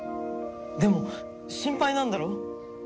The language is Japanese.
でも心配なんだろ？